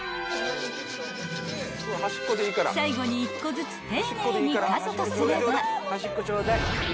［最後に１個ずつ丁寧にカットすれば］